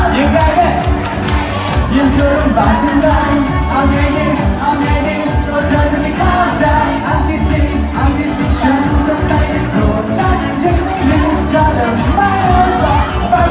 ภูมิได้ภูมิแรงกว่าค่ะไม่เอาแบบเส้นใจไม่เอาแบบเส้นใจไม่เอาแบบเส้นใจไม่เอาแบบเส้นใจ